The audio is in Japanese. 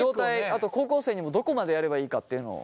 あと高校生にもどこまでやればいいかっていうのを。